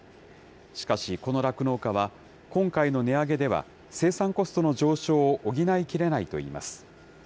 しかしこの酪農家は、今回の値上げでは、生産コストの上昇を補いきれないといいます。